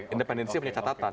independensi punya catatan